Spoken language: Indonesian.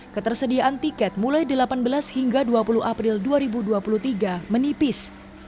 ketersediaan tiket mulai delapan belas hingga dua puluh april dua ribu dua puluh tiga menipis